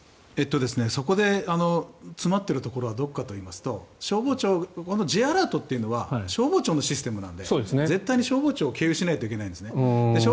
そこで詰まっているところはどこかといいますとこのＪアラートというのは消防庁のシステムなので絶対に消防庁を経由しないといけないと思うんです。